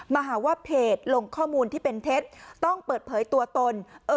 มาหาว่าเพจลงข้อมูลที่เป็นเท็จต้องเปิดเผยตัวตน